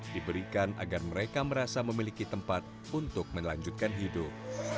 diberikan agar mereka merasa memiliki tempat untuk melanjutkan hidup